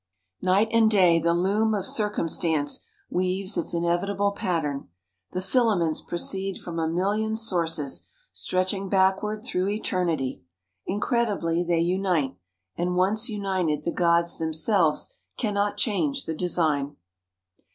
Night and day the Loom of Circumstance weaves its inevitable pattern. The filaments proceed from a million sources, stretching backward through eternity. Incredibly they unite, and once united the gods themselves cannot change the design.